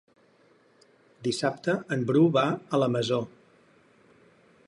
Dissabte en Bru va a la Masó.